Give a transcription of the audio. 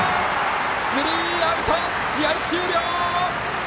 スリーアウト、試合終了。